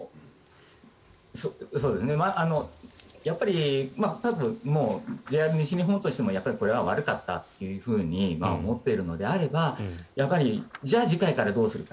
やっぱりもうＪＲ西日本としてもこれは悪かったというふうに思っているのであればじゃあ次回からどうするか。